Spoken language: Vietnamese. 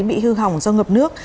bị hư hỏng do ngập nước